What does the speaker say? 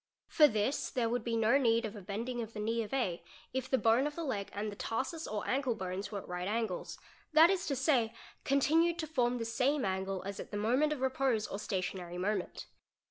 For this there would be no need of a bending of the knee of A, if the bone of the leg and the tarsus or ankle bones were at right angles, that is to say continued to form the same_ angle as at the moment of repose or stationary moment.